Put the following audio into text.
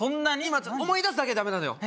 今思い出すだけでダメなのよ